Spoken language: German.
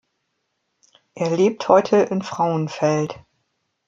Er lebt heute in Frauenfeld.